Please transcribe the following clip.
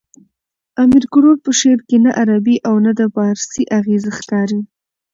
د امیر کروړ په شعر کښي نه عربي او نه د پاړسي اغېزې ښکاري.